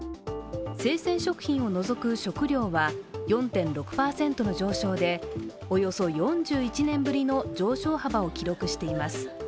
生鮮食品を除く食料は４．６％の上昇で、およそ４１年ぶりの上昇幅を記録しています。